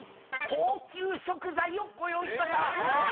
高級食材をご用意しました。